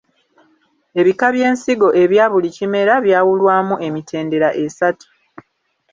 Ebika by’ensigo ebya buli kimera byawulwamu emitendera esatu.